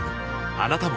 あなたも